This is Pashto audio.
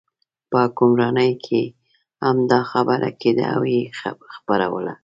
په حکمرانۍ کې هم دا خبره کېده او یې خپروله.